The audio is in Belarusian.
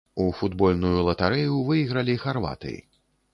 У футбольную латарэю выйгралі харваты.